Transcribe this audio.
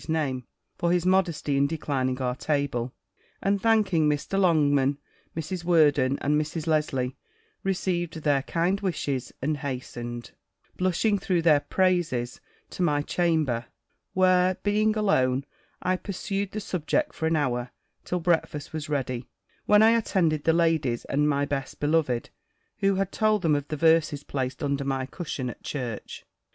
's name, for his modesty in declining our table; and thanking Mr. Longman, Mrs. Worden, and Mrs. Lesley, received their kind wishes, and hastened, blushing through their praises, to my chamber, where, being alone, I pursued the subject for an hour, till breakfast was ready, when I attended the ladies, and my best beloved, who had told them of the verses placed under my cushion at church.